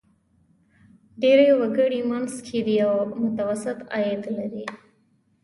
ډېری وګړي منځ کې دي او متوسط عاید لري.